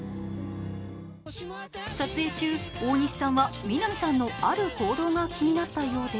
撮影中、大西さんは南さんのある行動が気になったようで。